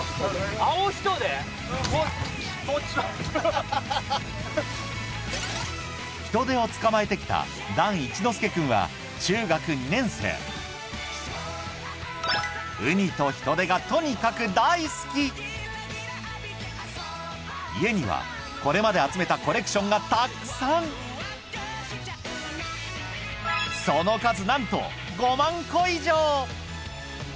ヒトデを捕まえてきた談一之介くんは中学２年生ウニとヒトデがとにかく大好き家にはこれまで集めたコレクションがたくさんその数なんと５万個以上！